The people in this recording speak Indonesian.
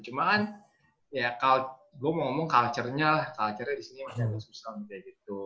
cuman ya kalo gue mau ngomong culturenya lah culturenya disini masih agak susah gitu